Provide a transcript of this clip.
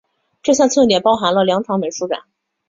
这项庆典包含了两场美术展。